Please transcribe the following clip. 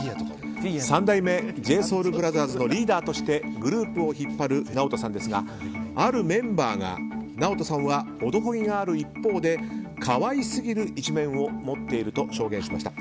三代目ＪＳＯＵＬＢＲＯＴＨＥＲＳのリーダーとしてグループを引っ張るＮＡＯＴＯさんですがあるメンバーがＮＡＯＴＯさんは男気がある一方で可愛すぎる一面を持っていると証言しました。